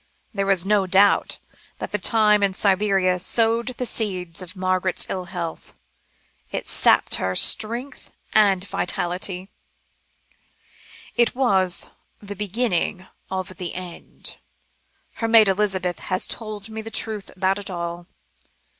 There is no doubt that the time in Siberia sowed the seeds of Margaret's ill health; it sapped her strength and vitality; it was the beginning of the end. Her maid Elizabeth has told me the truth about it all."